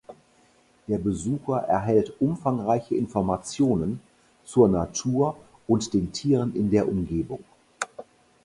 Der Besucher erhält umfangreiche Informationen zur Natur und den Tieren in der Umgebung.